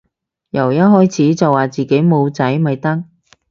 由一開始就話自己冇仔咪得